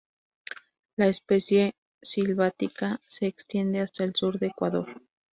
La especie "S. sylvatica" se extiende hasta el sur de Ecuador.